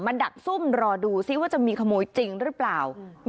ดักซุ่มรอดูซิว่าจะมีขโมยจริงหรือเปล่า